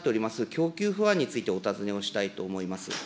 供給不安について、お尋ねをしたいと思います。